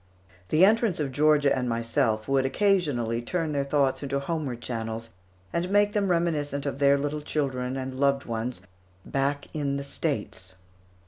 The entrance of Georgia and myself would occasionally turn their thoughts into homeward channels, and make them reminiscent of their little children and loved ones "back in the States."